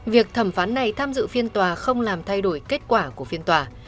việc thẩm phán này tham dự phiên tòa không làm thay đổi kết quả của phiên tòa